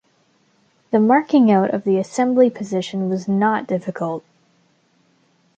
The marking-out of the assembly position was not difficult.